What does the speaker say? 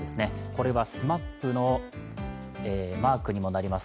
これはＳＭＡＰのマークにもなります